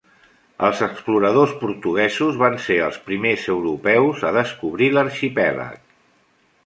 Els exploradors portuguesos van ser els primers europeus a descobrir l'arxipèlag.